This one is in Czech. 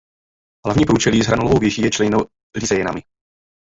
Hlavní průčelí s hranolovou věží je členěno lizénami.